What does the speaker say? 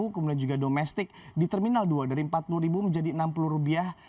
kemudian juga domestik di terminal dua dari empat puluh ribu menjadi enam puluh rupiah